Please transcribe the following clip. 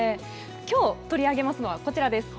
きょう、取り上げますのはこちらです。